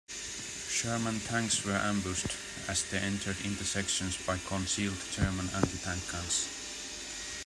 Sherman tanks were ambushed, as they entered intersections, by concealed German anti-tank guns.